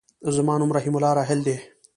زما نوم رحيم الله راحل دی.